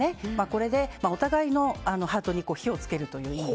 これでお互いのハートに火を付けるという意味